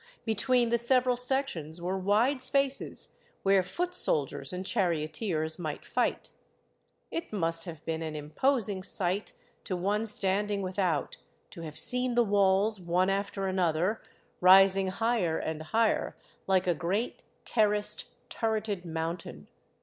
Between the several sections were wide spaces where foot soldiers and charioteers might fight. It must have been an imposing sight to one stand ing without to have seen the walls, one after another, rising higher and higher, like a great ter raced, turreted mountain.